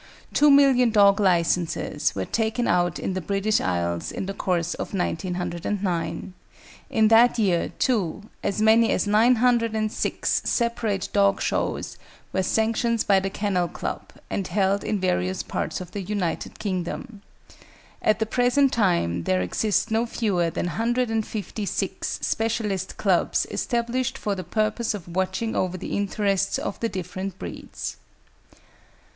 Two million dog licences were taken out in the British Isles in the course of 1909. In that year, too, as many as 906 separate dog shows were sanctioned by the Kennel Club and held in various parts of the United Kingdom. At the present time there exist no fewer than 156 specialist clubs established for the purpose of watching over the interests of the different breeds.